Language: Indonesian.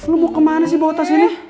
lu mau kemana sih bawa tas ini